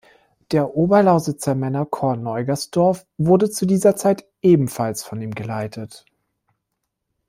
Der Oberlausitzer Männerchor Neugersdorf wurde zu dieser Zeit ebenfalls von ihm geleitet.